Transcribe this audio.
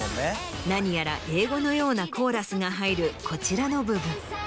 何やら英語のようなコーラスが入るこちらの部分。